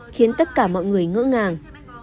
khiến tất cả mọi người ngỡ ngàng